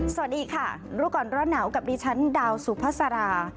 สวัสดีค่ะรู้ก่อนร้อนหนาวกับดิฉันดาวสุภาษารา